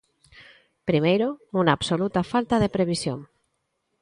Primeiro, unha absoluta falta de previsión.